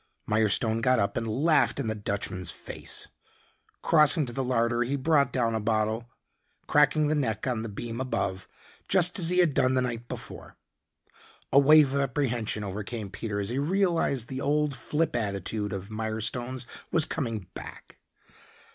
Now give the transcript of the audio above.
Mirestone got up and laughed in the Dutchman's face. Crossing to the larder, he brought down a bottle, cracking the neck on the beam above, just as he had done the night before. A wave of apprehension overcame Peter as he realized the old flip attitude of Mirestone's was coming back.